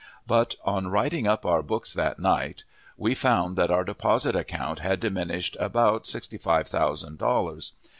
But, on writing up our books that night, we found that our deposit account had diminished about sixty five thousand dollars.